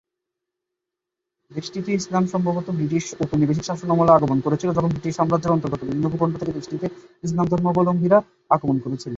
দেশটিতে ইসলাম সম্ভবত ব্রিটিশ ঔপনিবেশিক শাসনামলে আগমন করেছিল, যখন ব্রিটিশ সাম্রাজ্যের অন্তর্গত বিভিন্ন ভূখণ্ড থেকে দেশটিতে ইসলাম ধর্মাবলম্বীরা আগমন করেছিল।